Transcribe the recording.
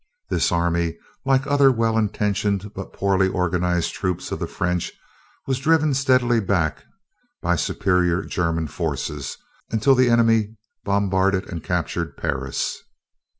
This army, like other well intentioned but poorly organized troops of the French, was driven steadily back by the superior German forces, until the enemy bombarded and captured Paris.